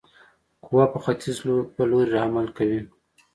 قوه په ختیځ په لوري عمل کوي.